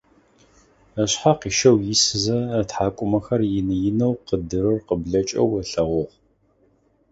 Ышъхьэ къищэу исызэ, ытхьакӀумэхэр ины-инэу къыдырыр къыблэкӀэу ылъэгъугъ.